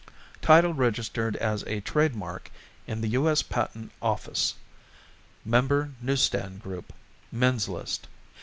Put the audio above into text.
Title registered as a Trade Mark in the U. S. Patent Office. Member Newsstand Group Men's List.